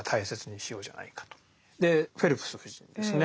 でフェルプス夫人ですね